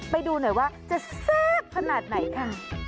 ไปดูหน่อยว่าจะแซ่บขนาดไหนค่ะ